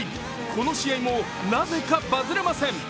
この試合もなぜかバズれません。